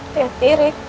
terima kasih rick